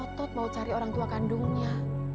dia ngotot mau cari orang tua kandungnya